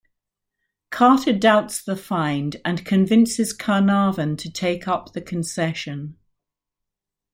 Carter doubts the find and convinces Carnarvon to take up the concession.